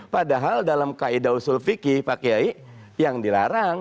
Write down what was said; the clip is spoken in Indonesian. padahal dalam kaedah usul fikih pak kiai yang dilarang